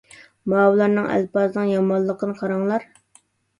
ماۋۇلارنىڭ ئەلپازىنىڭ يامانلىقىنى قاراڭلار.